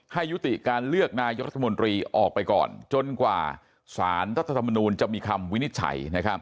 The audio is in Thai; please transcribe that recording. ให้ยุติการเลือกนายกรัฐมนตรีออกไปก่อนจนกว่าสารรัฐธรรมนูลจะมีคำวินิจฉัย